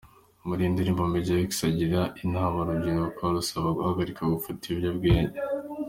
Muri iyi ndirimbo Major-X agira inama urubyiruko arusaba guhagarika gufata ibiyobyabwenge.